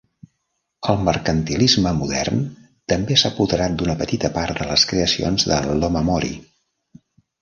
El mercantilisme modern també s'ha apoderat d'una petita part de les creacions de l'"omamori".